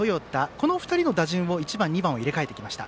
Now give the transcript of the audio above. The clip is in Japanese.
この２人の打順を入れ替えてきました。